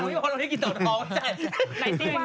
พูดปากพี่พอเราให้กินเตาทอง